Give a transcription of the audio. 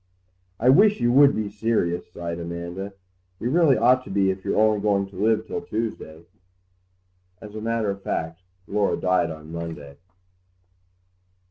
"I wish you would be serious," sighed Amanda; "you really ought to be if you're only going to live till Tuesday." As a matter of fact Laura died on Monday.